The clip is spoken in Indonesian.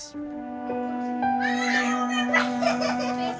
aymar aku mau tidur